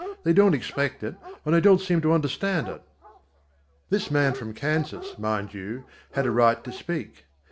They don't expect it, and they don't seem to understand it." This man from Kansas, mind you, had a right to speak.